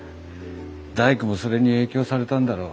大工もそれに影響されたんだろう。